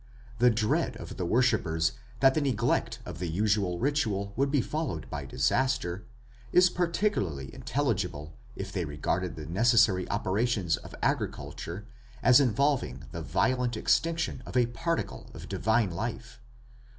"The dread of the worshippers that the neglect of the usual ritual would be followed by disaster, is particularly intelligible", writes Professor Robertson Smith, "if they regarded the necessary operations of agriculture as involving the violent extinction of a particle of divine life."